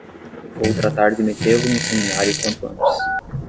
vou tratar de metê-lo no seminário quanto antes.